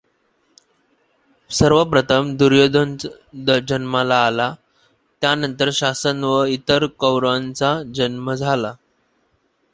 सर्वप्रथम दुर्योधन जन्माला आला त्यानंतर शासन व इतर कौरवांचा जन्म झाला.